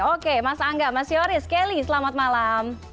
oke mas angga mas yoris kelly selamat malam